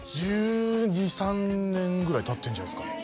１２１３年ぐらいたってんじゃないですか？